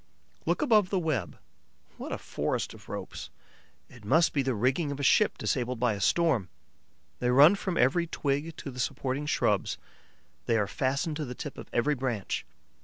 Look above the web. What a forest of ropes! It might be the rigging of a ship disabled by a storm. They run from every twig of the supporting shrubs, they are fastened to the tip of every branch.